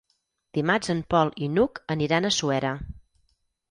Dimarts en Pol i n'Hug aniran a Suera.